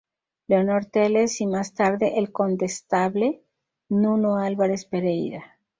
Leonor Teles, y más tarde el Condestable Nuno Álvares Pereira.